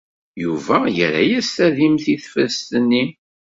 Yuba yerra-as tadimt i tefrest-nni.